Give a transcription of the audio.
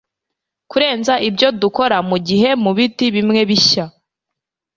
Kurenza ibyo dukora mugihe mubiti bimwebishya